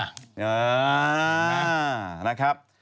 อ่านะครับ